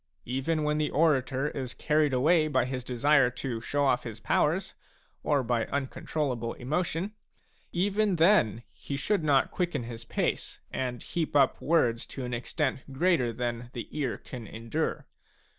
Even when the orator is carried away by his desire to show ofF his powers, or by uncontrollable emotion, even then he should not quicken his pace and heap up words to an extent greater than the ear can endure.